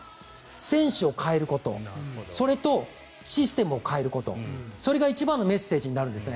選手を代えることそれと、システムを変えることそれが一番のメッセージになるんですね。